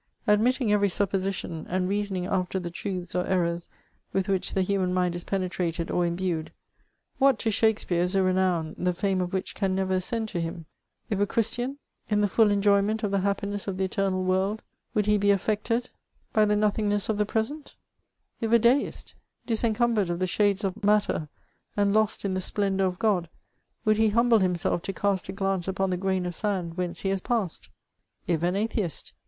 Admitting every supposition, and reasoning after the truths or errors with which the human mind is penetrated or imbued, what to Shakspeare is a renown the fame of which can never ascend to him ? If a Christian ? In the full enjoyment of the happiness of the eternal world, would he be affected by the nothingness of CHATEAUBBIAKD. 425 the present ? If a Dmt ? IHsencmnbered of the shades of mat* ter, and lost in the splendour of God, would he humble himself to cast a glance upon the grain of sand whence he has passed ? If an Atheist?